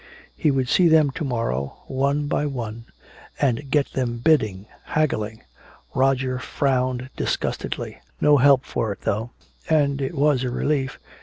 He would see them to morrow, one by one, and get them bidding, haggling. Roger frowned disgustedly. No help for it, though, and it was a relief.